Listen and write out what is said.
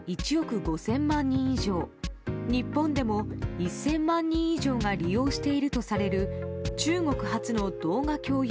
全米で１億５０００万人以上日本でも１０００万人以上が利用しているとされる中国発の動画共有